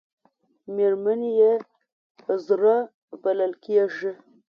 مېرمنې یې زړه بلل کېږي .